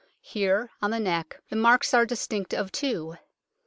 Here, on the neck, the marks are distinct of two.